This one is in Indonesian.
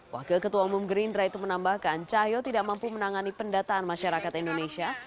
wakil ketua umum gerindra itu menambahkan cahyo tidak mampu menangani pendataan masyarakat indonesia